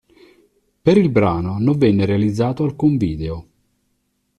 Per il brano non venne realizzato alcun video.